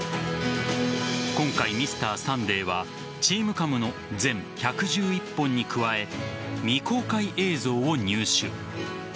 今回「Ｍｒ．サンデー」はＴｅａｍＣａｍの全１１１本に加え未公開映像を入手。